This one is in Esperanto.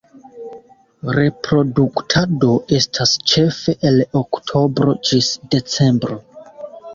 Reproduktado estas ĉefe el Oktobro ĝis Decembro.